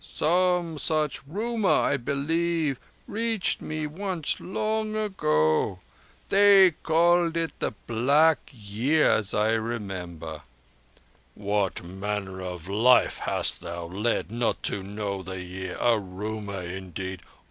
"Some such rumour, I believe, reached me once long ago. They called it the Black Year, as I remember." "What manner of life hast thou led, not to know The Year? A rumour indeed!